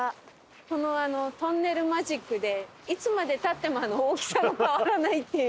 このトンネルマジックでいつまで経っても大きさが変わらないっていう。